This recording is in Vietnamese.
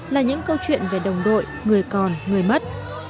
là những câu chuyện về đồng đội người còn người mất